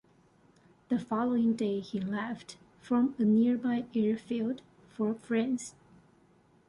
The following day he left from a nearby airfield for France.